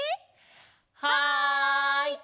はい！